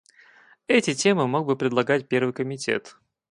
Эти темы мог бы предлагать Первый комитет.